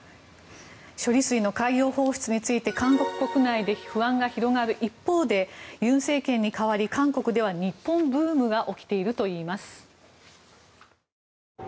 処理水の海洋放出について韓国国内で不安が広がる一方で尹政権に代わり韓国では日本ブームが起きているといいます。